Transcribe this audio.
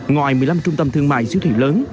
ngoài một mươi năm trung tâm thương mại siêu thị lớn